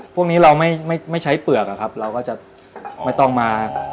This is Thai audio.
พวกนี้เราไม่ใช้เปลือกจะไม่ต้องมา